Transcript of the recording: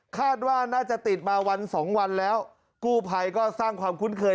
คาดว่าน่าจะติดมาวันสองวันแล้วกู้ภัยก็สร้างความคุ้นเคย